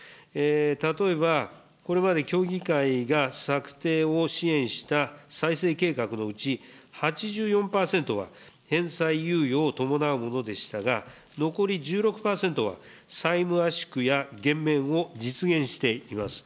例えばこれまで協議会が策定を支援した再生計画のうち、８４％は返済猶予を伴うものでしたが、残り１６％は、債務圧縮や減免を実現しています。